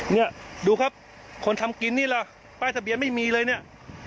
เนี่ยดูครับคนทำกินนี่ล่ะป้ายทะเบียนไม่มีเลยเนี่ย